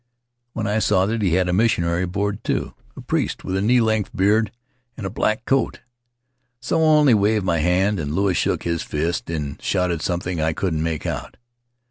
when I saw that he had a missionary aboard, too — a priest with a knee length beard and a black cloak; so I only waved my hand and Louis shook his fist and shouted something I couldn't make out.